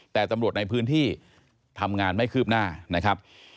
แต่ตำรวจในพื้นที่ทำงานไม่คืบหน้านะครับ